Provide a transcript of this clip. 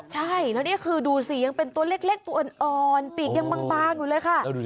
ใช่แล้วนี่คือดูสิยังเป็นตัวเล็กตัวอ่อนปีกยังบางอยู่เลยค่ะ